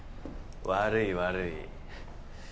悪い悪い。